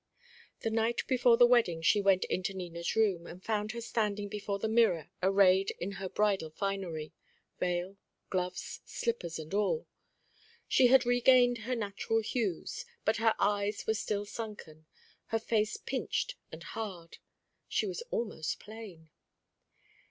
The night before the wedding she went into Nina's room, and found her standing before the mirror arrayed in her bridal finery, veil, gloves, slippers, all. She had regained her natural hues; but her eyes were still sunken, her face pinched and hard. She was almost plain.